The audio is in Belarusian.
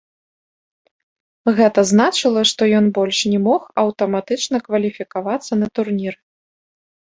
Гэта значыла, што ён больш не мог аўтаматычна кваліфікавацца на турніры.